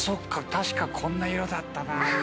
確かこんな色だったなってね